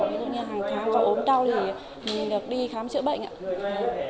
ví dụ như hàng tháng có ốm đau thì mình được đi khám chữa bệnh ạ